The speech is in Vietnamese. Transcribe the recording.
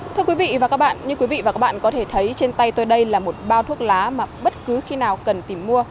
thưa quý vị và các bạn như quý vị và các bạn có thể thấy trên tay tôi đây là một bao thuốc lá mà bất cứ khi nào cần tìm mua